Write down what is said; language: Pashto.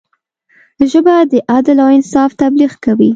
ژبه د عدل او انصاف تبلیغ کوي